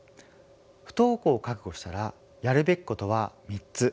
不登校を覚悟したらやるべきことは３つ。